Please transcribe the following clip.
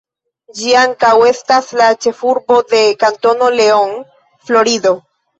Ĝi ankaŭ estas la ĉefurbo de Kantono Leon, Florido.